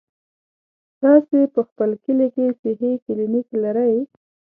تاسې په خپل کلي کې صحي کلينيک لرئ؟